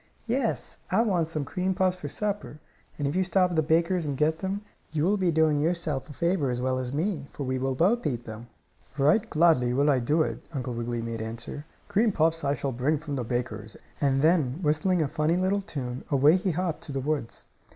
"Yes, I want some cream puffs for supper, and if you stop at the baker's and get them you will be doing yourself a favor as well as me, for we will both eat them." "Right gladly will I do it," Uncle Wiggily made answer. "Cream puffs I shall bring from the baker's," and then, whistling a funny little tune, away he hopped to the woods.